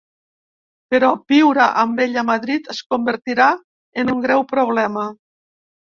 Però viure amb ell a Madrid es convertirà en un greu problema.